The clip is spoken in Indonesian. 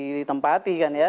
sudah ditempati kan ya